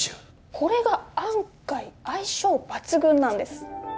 これが案外相性抜群なんです